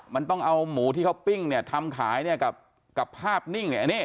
มันต้องเอาหมูที่เขาปิ้งเนี่ยทำขายเนี่ยกับภาพนิ่งเนี่ย